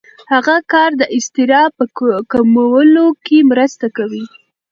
هغه کار د اضطراب په کمولو کې مرسته کوي.